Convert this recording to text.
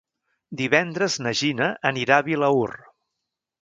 Divendres na Gina anirà a Vilaür.